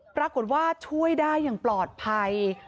ปรากฏว่าช่วยได้อย่างปลอดภัย